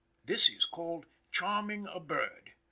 This is called "charming a bird."